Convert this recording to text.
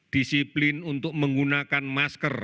disiplin untuk menggunakan masker